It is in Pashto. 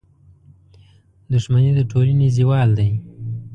• دښمني د ټولنې زوال دی.